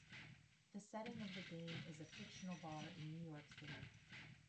The setting of the game is a fictional bar in New York City.